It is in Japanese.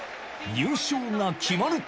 優勝が決まると。